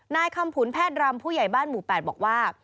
นายคำผุนแพทย์รำผู้ใหญ่บ้านหมู่๘บอกว่า